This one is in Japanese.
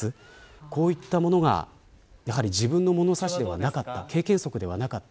こういったものがやはり自分の物差しではなかった経験則ではなかった。